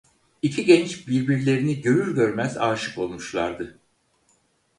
İki genç birbirlerini görür görmez âşık olmuşlardı.